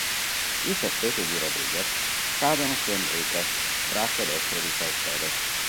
I sospetti di Rodríguez cadono su Enrique, braccio destro di Salcedo.